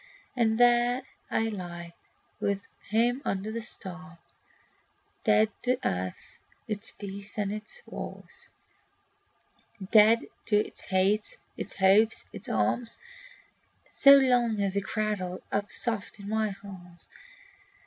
And here I lie with him under the stars, Dead to earth, its peace and its wars; Dead to its hates, its hopes, and its harms, So long as he cradles up soft in my arms.